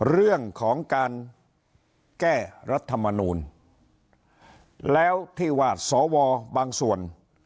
เรื่องของการแก้รัฐมนูลแล้วที่ว่าสวบางส่วน